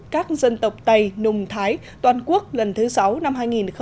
các dân tộc tây nùng thái toàn quốc lần thứ sáu năm hai nghìn một mươi tám